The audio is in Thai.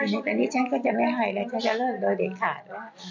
อย่างนี้ฉันก็จะไม่ให้แล้วฉันจะเลิกโดยเด็กขาด